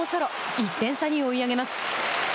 １点差に追い上げます。